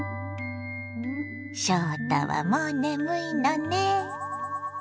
翔太はもう眠いのね。